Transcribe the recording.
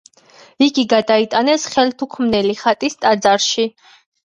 იგი გადაიტანეს ხელთუქმნელი ხატის ტაძარში.